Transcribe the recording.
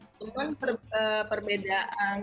kalau dari cerita teman teman perbedaan